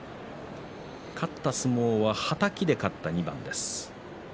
勝った相撲ははたきで勝った２番です。